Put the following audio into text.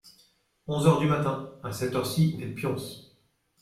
Onze heures du matin, à cette heure-ci, elle pionce…